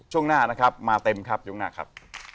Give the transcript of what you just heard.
ช่วงหน้ามาเต็มครับ